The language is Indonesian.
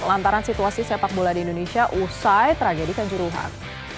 lantaran situasi sepak bola di indonesia usai tragedi kanjuruhan